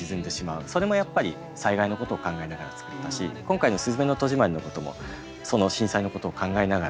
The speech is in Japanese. それもやっぱり災害のことを考えながら作ったし今回の「すずめの戸締まり」のこともその震災のことを考えながら作りました。